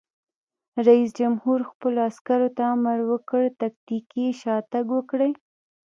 رئیس جمهور خپلو عسکرو ته امر وکړ؛ تکتیکي شاتګ وکړئ!